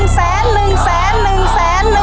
๑แสน๑แสน๑แสน๑แสน๑แสน